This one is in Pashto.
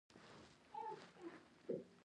د هرات معماران د ښکلا په ژبه پوهېدل.